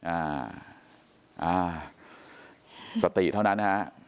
อ่าอ่าสติเท่านั้นนะฮะ